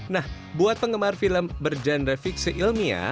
nah buat penggemar film berjenre fiksi ilmiah